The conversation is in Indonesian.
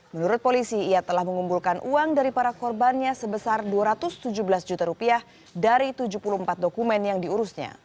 menurut polisi ia telah mengumpulkan uang dari para korbannya sebesar dua ratus tujuh belas juta rupiah dari tujuh puluh empat dokumen yang diurusnya